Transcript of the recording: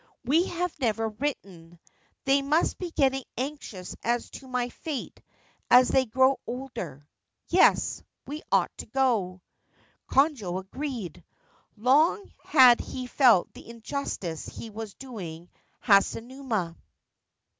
We have never written. They must be getting anxious as to my fate as they grow older. Yes : we ought to go/ Konojo agreed. Long had he felt the injustice he was doing Hasunuma.